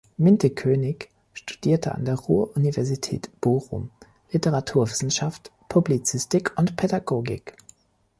Minte-König studierte an der Ruhr-Universität Bochum Literaturwissenschaft, Publizistik und Pädagogik.